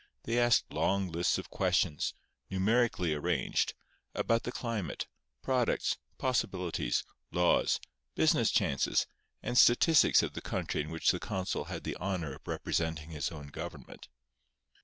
They asked long lists of questions, numerically arranged, about the climate, products, possibilities, laws, business chances, and statistics of the country in which the consul had the honour of representing his own government.